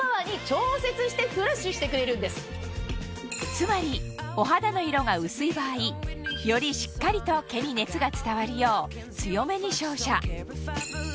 つまりお肌の色が薄い場合よりしっかりと毛に熱が伝わるよう強めに照射逆に濃い場合は